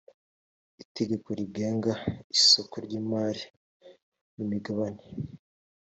itegeko rigenga isoko ry imari n imigabane.